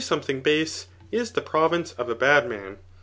thing base, is the province of a bad man.